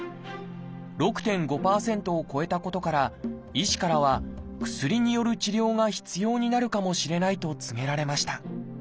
６．５％を超えたことから医師からは薬による治療が必要になるかもしれないと告げられました。